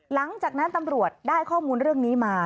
หลังจากนั้นตำรวจได้ข้อมูลเรื่องนี้มา